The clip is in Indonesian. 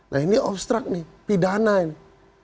nah ini obstrak nih pidana ini